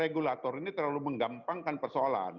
regulator ini terlalu menggampangkan persoalan